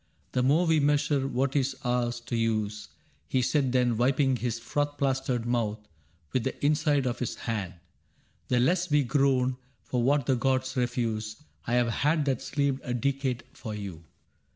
*"The more we measure what is ours to use,' He said then, wiping his froth plastered mouth With the inside of his hand, *" the less we groan For what the gods refuse." I 've had that sleeved A decade for you.